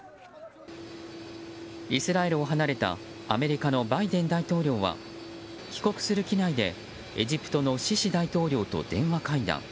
イスラエルを離れたアメリカのバイデン大統領は帰国する機内でエジプトのシシ大統領と電話会談。